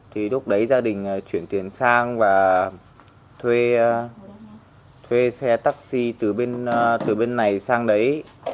thì lúc đấy gia đình chuyển tiền sang và thuê xe taxi từ bên này sang đấy